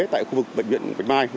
tại khu vực bệnh viện bệnh mai